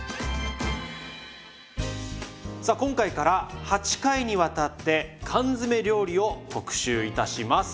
さあ今回から８回にわたって缶詰料理を特集いたします。